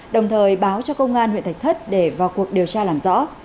đồng thời báo cho công an huyện thạch thất để vào cuộc điều tra làm rõ